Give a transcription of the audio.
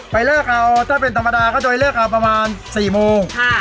เลิกเอาถ้าเป็นธรรมดาก็จะไปเลิกเอาประมาณ๔โมง